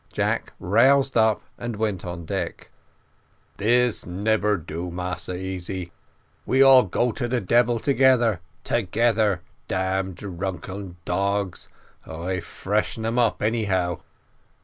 Jack roused up, and went on deck. "This nebber do, Massa Easy; we all go to devil together dam drunken dogs I freshen um up any how."